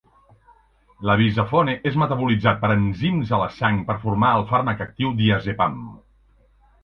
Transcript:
L'Avizafone és metabolitzat per enzims a la sang per formar el fàrmac actiu diazepam.